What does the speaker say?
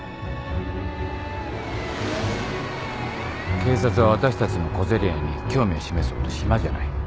・警察は私たちの小競り合いに興味を示すほど暇じゃない。